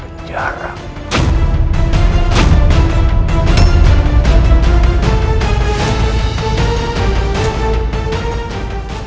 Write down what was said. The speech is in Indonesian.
dan aku akan menang